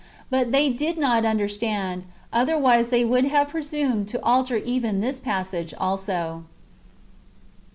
But they did not understand, otherwise they w^ould have presumed to alter even this pas sacre also.